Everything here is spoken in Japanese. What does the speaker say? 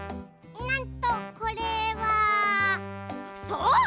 なんとこれはそう！